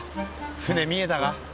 船見えたか？